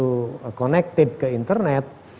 kalau kita sudah terhubung ke internet